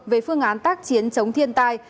về phương án tác chiến chống thiên tai